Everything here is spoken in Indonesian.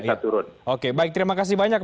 naik turun oke baik terima kasih banyak